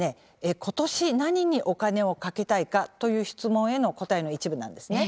今年何にお金をかけたいかという質問への答えの一部なんですね。